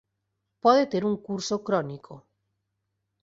Pode ter un curso crónico.